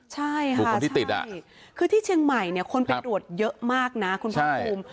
ใช่ค่ะคือที่เชียงใหม่คนไปตรวจเยอะมากนะคุณพระคุม